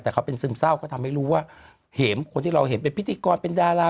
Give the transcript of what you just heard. แต่เขาเป็นซึมเศร้าก็ทำให้รู้ว่าเห็มคนที่เราเห็นเป็นพิธีกรเป็นดารา